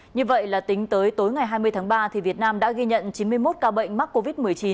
như vậy là tính tới tối ngày hai mươi tháng ba việt nam đã ghi nhận chín mươi một ca bệnh mắc covid một mươi chín